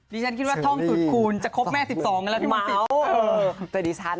ดิฉันคิดว่าท่องสูตรคูณจะครบแม่๑๒แล้วนะพี่มุสิทธิ์